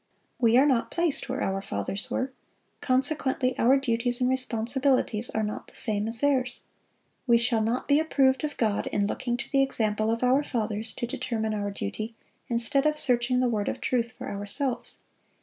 We are not placed where our fathers were; consequently our duties and responsibilities are not the same as theirs. We shall not be approved of God in looking to the example of our fathers to determine our duty instead of searching the Word of truth for ourselves.